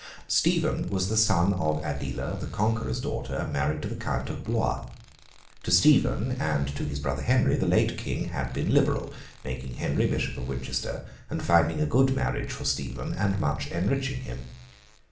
Stephen was the son of Adela, the Conqueror's daughter, married to the Count of Blois. To Stephen, and to his brother Henry, the late King had been liberal; making Henry Bishop of Winchester, and finding a good marriage for Stephen, and much enriching him.